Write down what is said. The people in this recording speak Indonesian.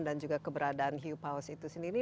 dan juga keberadaan hiupaus itu sendiri